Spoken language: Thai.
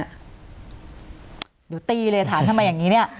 เดี๋ยวตีเลยถามทำไมอย่างนี้เนี่ย